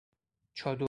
چادر